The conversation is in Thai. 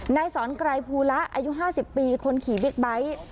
นายสอนไกรภูละอายุ๕๐ปีคนขี่บิ๊กไบท์